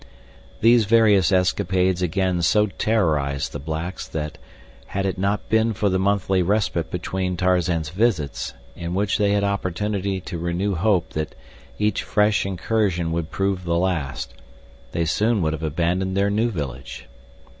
These various escapades again so terrorized the blacks that, had it not been for the monthly respite between Tarzan's visits, in which they had opportunity to renew hope that each fresh incursion would prove the last, they soon would have abandoned their new village.